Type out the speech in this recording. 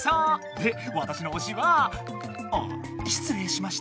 でわたしのおしはあっしつれいしました。